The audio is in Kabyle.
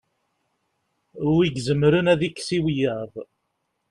wi izemren ad ikkes i wiyaḍ